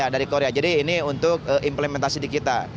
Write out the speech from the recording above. dari korea jadi ini untuk implementasi di kita